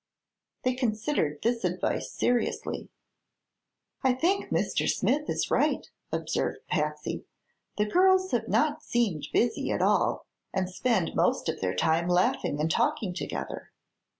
They considered this advice seriously. "I think Mr. Smith is right," observed Patsy. "The girls have not seemed busy, at all, and spend most of their time laughing and talking together."